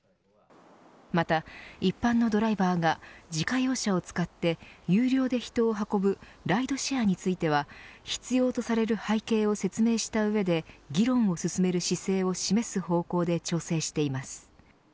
また、一般のドライバーが自家用車を使って有料で人を運ぶライドシェアについては必要とされる背景を説明した上で議論を進める姿勢を示す方向で調整しています。